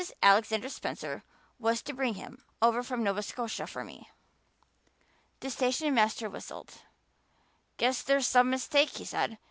Alexander Spencer was to bring him over from Nova Scotia for me." The stationmaster whistled. "Guess there's some mistake," he said.